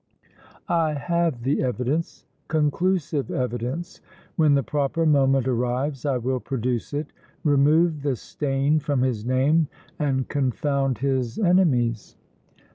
I have the evidence, conclusive evidence! When the proper moment arrives I will produce it, remove the stain from his name and confound his enemies!"